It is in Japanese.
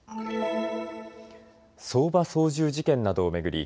相場操縦事件などを巡り